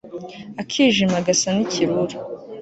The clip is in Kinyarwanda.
akijima agasa n'ikirura